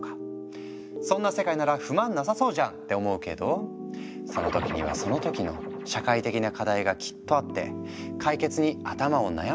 そんな世界なら不満なさそうじゃん！って思うけどその時にはその時の社会的な課題がきっとあって解決に頭を悩ませているんじゃないか？